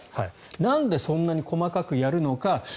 なんで、そんなに細かくやるのか。